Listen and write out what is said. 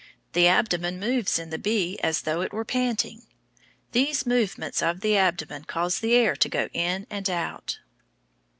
The abdomen moves in the bee as though it were panting. These movements of the abdomen cause the air to go in and out.